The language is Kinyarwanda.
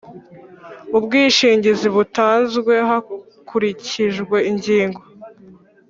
ubwishingizi butanzwe hakurikijwe ingingo